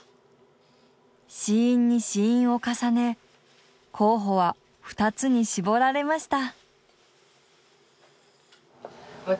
試飲に試飲を重ね候補は２つに絞られました。